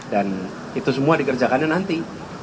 dan itu semua dikerjakannya nanti